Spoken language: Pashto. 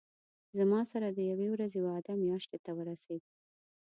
زما سره د یوې ورځې وعده میاشتې ته ورسېده.